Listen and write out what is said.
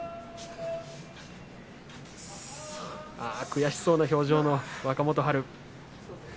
悔しそうな表情の若元春。